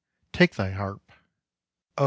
take thy harp! Oh!